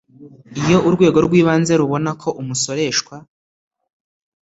iyo urwego rw ibanze rubona ko umusoreshwa